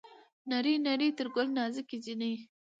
نرۍ نرى تر ګل نازکه جينۍ